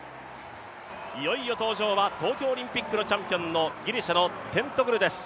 いよいよ登場は東京オリンピックのチャンピオンのギリシャのテントグルです。